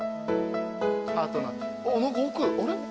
何か奥あれ？